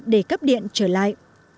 để cấp điện trở lại